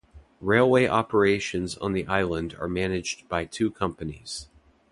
Railway operations on the island are managed by two companies.